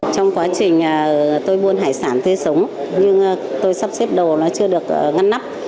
trong quá trình tôi buôn hải sản tươi sống nhưng tôi sắp xếp đồ nó chưa được ngăn nắp